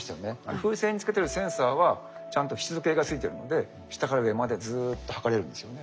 風船に付けてるセンサーはちゃんと湿度計が付いてるので下から上までずっと測れるんですよね。